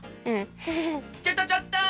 ちょっとちょっと！